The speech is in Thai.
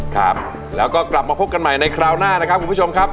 ครับแล้วก็กลับมาพบกันใหม่ในคราวหน้านะครับคุณผู้ชมครับ